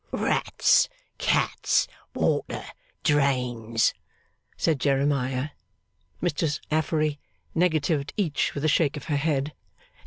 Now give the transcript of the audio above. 'Rats, cats, water, drains,' said Jeremiah. Mistress Affery negatived each with a shake of her head.